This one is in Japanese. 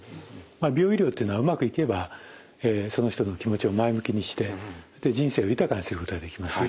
美容医療っていうのはうまくいけばその人の気持ちを前向きにして人生を豊かにすることができます。